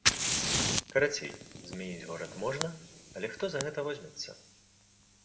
Карацей, змяніць горад можна, але хто за гэта возьмецца?